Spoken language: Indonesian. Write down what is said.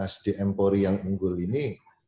sdm polri yang unggul ini